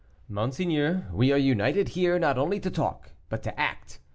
"Monseigneur, we are united here, not only to talk, but to act.